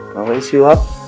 nó gây siêu hấp